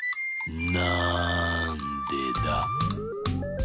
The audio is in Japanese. なんでだ？